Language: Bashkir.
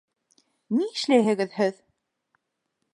Ни эшләйһегеҙ һеҙ?